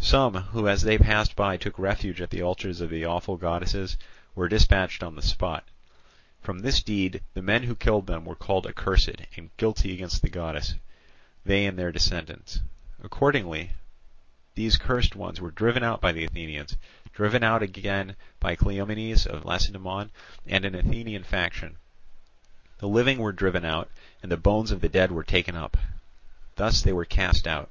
Some who as they passed by took refuge at the altars of the awful goddesses were dispatched on the spot. From this deed the men who killed them were called accursed and guilty against the goddess, they and their descendants. Accordingly these cursed ones were driven out by the Athenians, driven out again by Cleomenes of Lacedaemon and an Athenian faction; the living were driven out, and the bones of the dead were taken up; thus they were cast out.